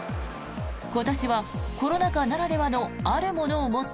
今年はコロナ禍ならではのあるものを持って